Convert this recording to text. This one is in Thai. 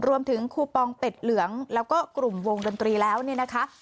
คูปองเป็ดเหลืองแล้วก็กลุ่มวงดนตรีแล้วเนี่ยนะคะ